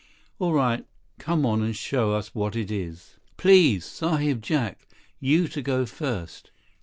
"All right. Come on and show us what it is." "Please, Sahib Jack. You to go first."